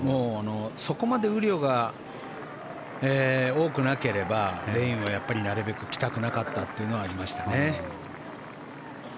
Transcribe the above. そこまで雨量が多くなければレインはやっぱりなるべく着たくなかったというのはありましたね。